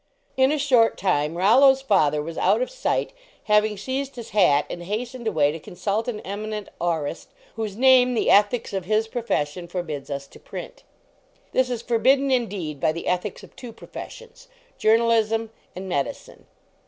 In a short time Rollo s father was out of sight, having seized his hat and hastened away to consult an eminent aurist, whose name the ethics of his profession forbids to us to print. This is forbidden, indeed, by the ethics of two professions journalism and medicine.